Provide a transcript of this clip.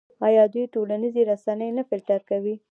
آیا دوی ټولنیزې رسنۍ نه فلټر کوي؟